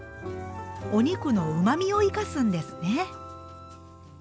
お肉のうまみを生かすんですね。